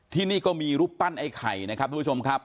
ที่นี่ก็มีรูปปั้นไอ้ไข่นะครับทุกผู้ชมครับ